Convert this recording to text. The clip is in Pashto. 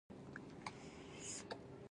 د اوقافو وزارت حکومتي پروګرام دی.